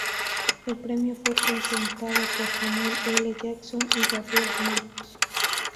El premio fue presentado por Samuel L. Jackson y Gabriel Macht.